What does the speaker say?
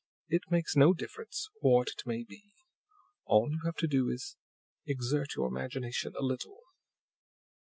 It makes no difference what it may be; all you have to do is, exert your imaginations a little."